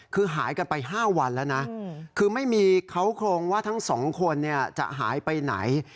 คือหายกันไป๕วันแล้วนะคือไม่มีเขาโครงว่าทั้งสองคนจะหายไปไหน